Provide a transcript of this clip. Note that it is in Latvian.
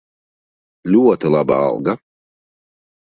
Ļoti laba alga.